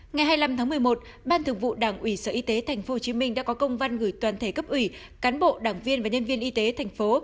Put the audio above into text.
ngày hai mươi năm tháng một mươi một ban thực vụ đảng ủy sở y tế tp hcm đã có công văn gửi toàn thể cấp ủy cán bộ đảng viên và nhân viên y tế thành phố